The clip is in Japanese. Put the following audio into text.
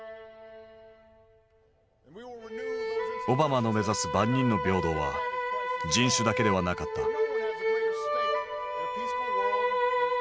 オバマの目指す万人の平等は人種だけではなかった。